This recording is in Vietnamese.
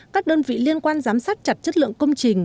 các đơn vị liên quan giám sát chặt chất lượng công trình